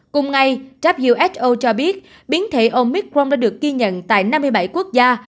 cùng ngày who cho biết biến thể omicron đã được ghi nhận tại năm mươi bảy quốc gia